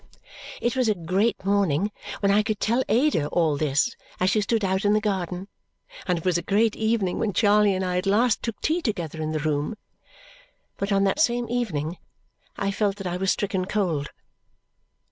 It was a great morning when I could tell Ada all this as she stood out in the garden; and it was a great evening when Charley and I at last took tea together in the next room. But on that same evening, I felt that I was stricken cold.